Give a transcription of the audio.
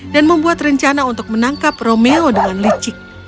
dan membuat rencana untuk menangkap romeo dengan licik